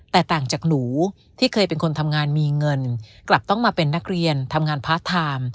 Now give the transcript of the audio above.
แต่ต่างจากหนูที่เคยเป็นคนทำงานมีเงินกลับต้องมาเป็นนักเรียนทำงานพาร์ทไทม์